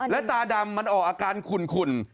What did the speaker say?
แล้วตาดำมันออกอาการขุ่น